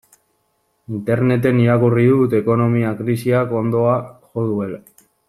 Interneten irakurri dut ekonomia krisiak hondoa jo duela.